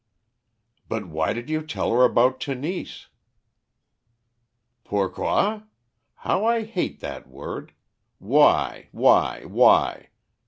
"But why did you tell her about Tenise?" "Pourquoi? How I hate that word! Why! Why!! Why!!!